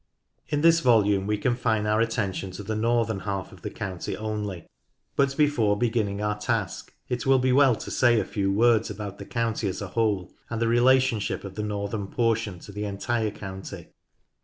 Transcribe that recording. In this volume we confine our attention to the northern half of the county only, but before beginning our task it will be well to say a few words about the county as a whole, and the relationship of the northern portion to the entire county.